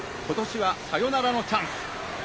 今年はサヨナラのチャンス。